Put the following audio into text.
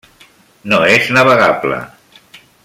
No és navegable.